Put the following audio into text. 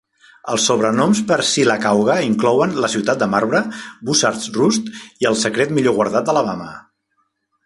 Els sobrenoms per Sylacauga inclouen "La Ciutat de Marbre", "Buzzard's Roost", i "El Secret Millor Guardat d'Alabama".